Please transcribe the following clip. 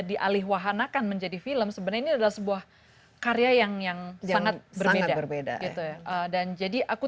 dialihwahanakan menjadi film sebenarnya adalah sebuah karya yang yang sangat berbeda dan jadi aku